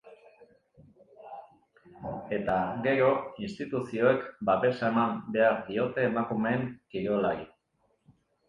Eta, gero, instituzioek babesa eman behar diote emakumeen kirolari.